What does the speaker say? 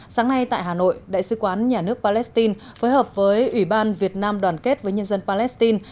sáng nay tại hà nội đại sứ quán nhà nước palestine phối hợp với ủy ban việt nam đoàn kết với nhân dân palestine